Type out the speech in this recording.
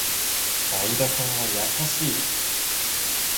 相田さんは優しい